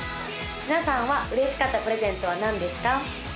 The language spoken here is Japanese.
皆さんは嬉しかったプレゼントは何ですか？